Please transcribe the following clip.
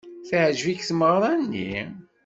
Teɛjeb-ik tmeɣra-nni?